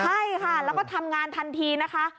ใช่ค่ะแล้วก็ทำงานทันทีนะคะ